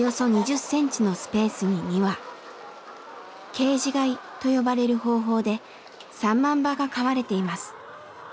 「ケージ飼い」と呼ばれる方法で３万羽が飼われています。